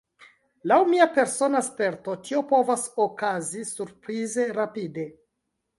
Laŭ mia persona sperto, tio povas okazi surprize rapide.